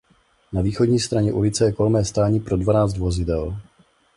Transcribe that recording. Na východní straně ulice je kolmé stání pro dvanáct vozidel.